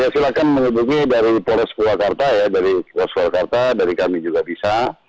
silahkan menghubungi dari polos purwakarta dari kami juga bisa